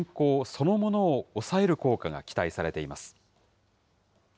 そのものを抑える効果が期待されています。